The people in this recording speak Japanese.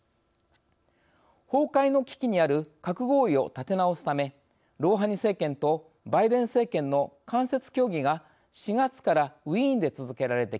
崩壊の危機にある核合意を立て直すためロウハニ政権とバイデン政権の間接協議が４月からウィーンで続けられてきました。